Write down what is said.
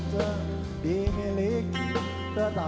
dan bisa jadi